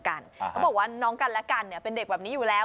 เขาบอกว่าน้องกันและกันเป็นเด็กแบบนี้อยู่แล้ว